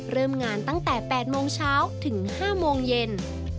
เริ่มงานตั้งแต่๘โมงเช้าถึง๕โมงเย็น